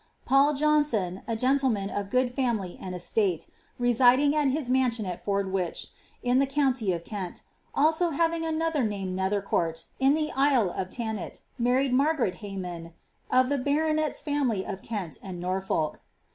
Paul Jolmson, a gentleman of good family and estate, residing ai his mansion at Fordwich, in the county of Kent, also, having another named Nelhercourt, in the Isle of Thanet. married Margaret lleyman (of the baronet'^s family of Kent and Norfolk).